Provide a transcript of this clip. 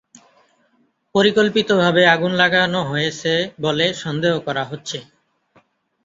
পরিকল্পিতভাবে আগুন লাগানো হয়েছে বলে সন্দেহ করা হচ্ছে।